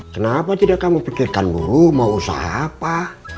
kenapa tidak kamu pikirkan buruh mau usaha apa